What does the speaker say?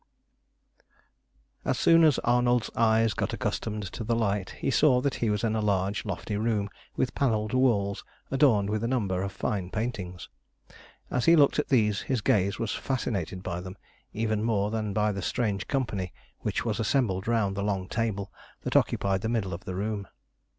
As soon as Arnold's eyes got accustomed to the light, he saw that he was in a large, lofty room with panelled walls adorned with a number of fine paintings. As he looked at these his gaze was fascinated by them, even more than by the strange company which was assembled round the long table that occupied the middle of the room.